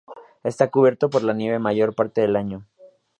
Está cubierto por la nieve la mayor parte del año.